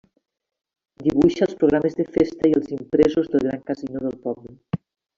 Dibuixa els programes de festa i els impresos del Gran Casino del poble.